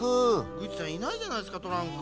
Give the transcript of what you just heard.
グッチさんいないじゃないですかトランク。